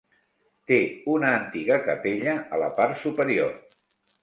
Té una antiga capella a la part superior.